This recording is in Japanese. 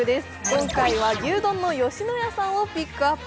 今回は牛丼の吉野家さんをピックアップ。